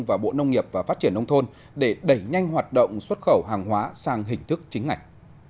và bộ nông nghiệp và phát triển nông thôn để đẩy nhanh hoạt động xuất khẩu hàng hóa sang hình thức chính ngạch